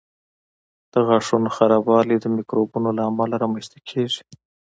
د غاښونو خرابوالی د میکروبونو له امله رامنځته کېږي.